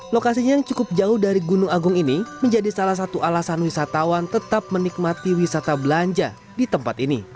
lokasinya yang cukup jauh dari gunung agung ini menjadi salah satu alasan wisatawan tetap menikmati wisata belanja di tempat ini